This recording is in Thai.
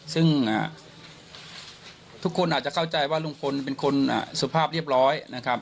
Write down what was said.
ซึ่งทุกคนอาจจะเข้าใจว่าลุงพลเป็นคนสุภาพเรียบร้อยนะครับ